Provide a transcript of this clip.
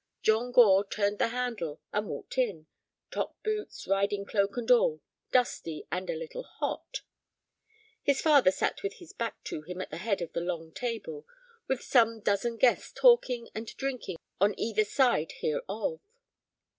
John Gore turned the handle and walked in—top boots, riding cloak, and all, dusty, and a little hot. His father sat with his back to him at the head of the long table, with some dozen guests talking and drinking on either side hereof.